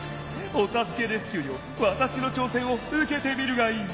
お助けレスキューよわたしのちょうせんをうけてみるがいい」。